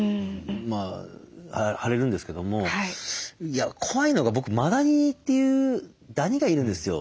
まあ腫れるんですけども怖いのが僕マダニというダニがいるんですよ。